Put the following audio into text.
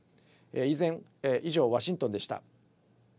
以上ワシントンでした。